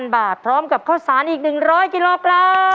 บาทพร้อมกับข้าวสารอีก๑๐๐กิโลกรัม